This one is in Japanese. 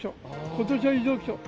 ことしは異常気象。